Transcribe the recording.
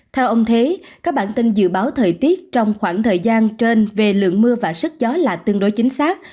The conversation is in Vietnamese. theo ông thế các bản tin dự báo thời tiết trong khoảng thời gian trên về lượng mưa và sức gió là tương đối chính xác